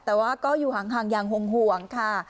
แต่ว่าก็อยู่ห่างอย่างห่วงค่ะ